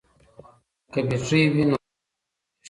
که بیټرۍ وي نو راډیو نه بندیږي.